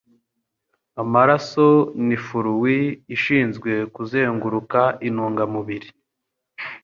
Amaraso ni ﬂ uid ishinzwe kuzenguruka intungamubiri. .